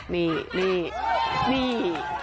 นี่นี่นี่